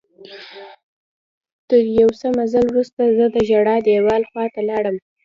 تر یو څه مزل وروسته زه د ژړا دیوال خواته لاړم.